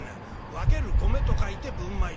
「分ける米と書いて分米だ」。